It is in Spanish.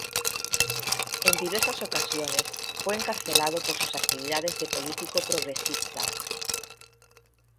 En diversas ocasiones fue encarcelado por sus actividades de político progresista.